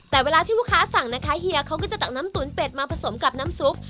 แต่เวลาที่ลูกค้าสั่งนะคะเฮียเขาก็จะตักน้ำตุ๋นเป็ดมาผสมกับน้ำซุป